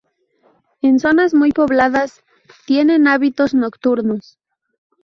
En zonas muy pobladas tienen hábitos nocturnos.